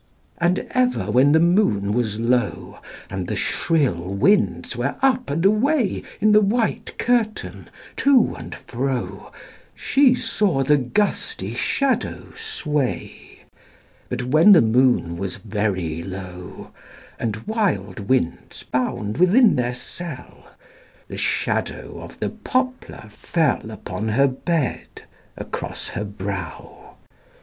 And ever when the moon was low, And the shrill winds were up and away In the white curtain, to and fro, She saw the gusty shadow sway. But when the moon was very low, And wild winds bound within their cell, The shadow of the poplar fell Upon her bed, across her brow.